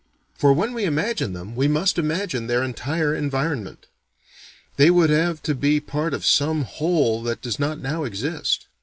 For, when we imagine them, we must imagine their entire environment; they would have to be a part of some whole that does not now exist.